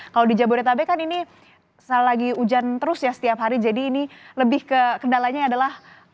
kalau di jabodetabek kan ini lagi hujan terus ya setiap hari jadi ini lebih ke kendalanya adalah